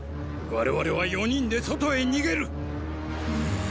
我々は四人で外へ逃げる！。